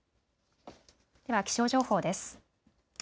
では、気象情報です。